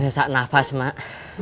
saya susah nafas mak